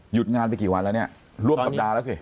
งานไปกี่วันแล้วเนี่ยร่วมสัปดาห์แล้วสิ